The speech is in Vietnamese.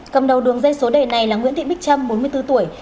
cầm đầu đường dây số đề này là nguyễn thị bích trâm bốn mươi bốn tuổi